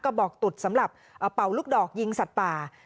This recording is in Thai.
กระบอกตุดสำหรับเป่าลูกดอกยิงสัตว์ป่า